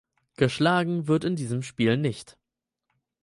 Geschlagen wird in diesem Spiel nicht.